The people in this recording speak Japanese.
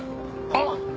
あっ！